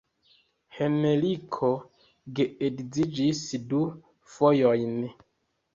Henriko geedziĝis du fojojn.